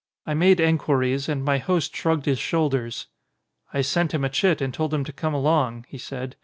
I made enquiries and my host shrugged his shoulders. "I sent him a chit and told him to come along," he said.